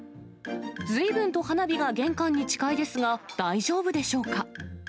ずいぶんと花火が玄関に近いですが、大丈夫でしょうか？